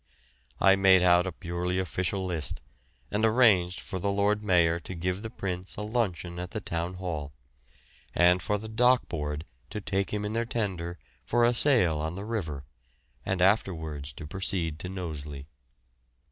I made out a purely official list, and arranged for the Lord Mayor to give the Prince a luncheon at the Town Hall, and for the Dock Board to take him in their tender for a sail on the river, and afterwards to proceed to Knowsley.